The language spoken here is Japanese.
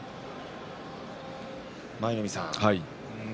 舞の海さん